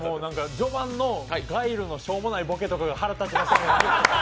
序盤のガイルのしょうもないボケとかが腹立ちました。